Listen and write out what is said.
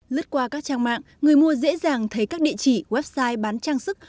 lứt qua các trang mạng người mua dễ dàng thấy các địa chỉ website bán trang sức